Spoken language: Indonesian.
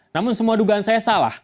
namun semua dugaan saya salah